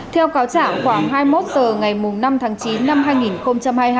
theo cáo trạng khoảng hai mươi một h ngày năm tháng chín năm hai nghìn hai mươi hai